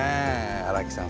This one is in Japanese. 荒木さん